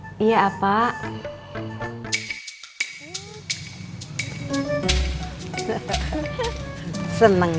suami istri itu tidak boleh saling berbohong